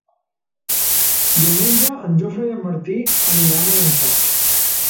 Diumenge en Jofre i en Martí aniran a Llançà.